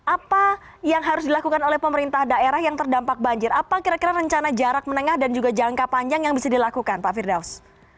apa yang harus dilakukan oleh pemerintah daerah yang terdampak banjir apa kira kira rencana jarak menengah dan juga jangka panjang yang bisa dilakukan pak firdaus